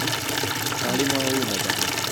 Parlez moins haut, madame.